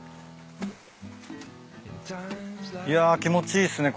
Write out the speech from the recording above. いや気持ちいいっすね